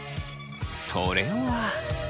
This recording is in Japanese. それは。